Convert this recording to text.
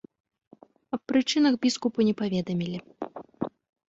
Аб прычынах біскупу не паведамілі.